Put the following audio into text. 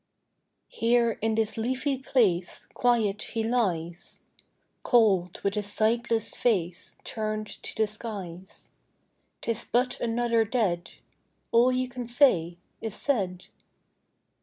Here in this leafy place, Quiet he lies, Cold, with his sightless face Turned to the skies; 'T is but another dead; All you can say is said.